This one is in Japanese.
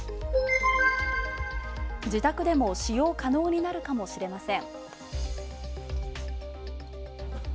自宅でも使用可能になるかもしれません。